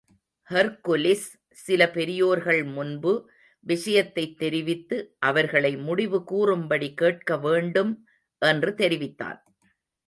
Hercules, சில பெரியோர்கள் முன்பு விஷயத்தைத் தெரிவித்து, அவர்களை முடிவு கூறும்படி கேட்க வேண்டும் என்று தெரிவித்தான்.